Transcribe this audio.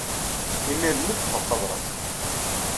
Imir-nni i d-ṭṭfeɣ tabrat-im.